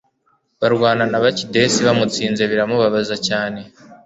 barwana na bakidesi, bamutsinze biramubabaza cyane